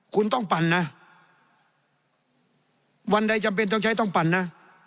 คุณต้องปั่นนะวันใดจำเป็นต้องใช้ต้องปั่นนะ